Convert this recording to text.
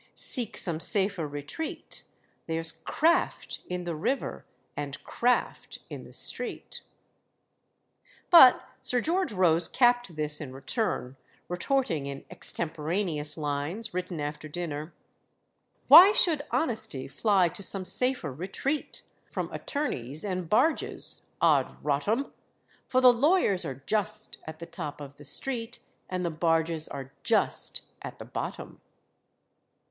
seek some safer retreat: There's craft in the river and craft in the street." But Sir George Rose capped this in return, retorting in extemporaneous lines, written after dinner: "Why should Honesty fly to some safer retreat, From attorneys and barges? 'od rot 'em! For the lawyers are just at the top of the street, And the barges are just at the bottom."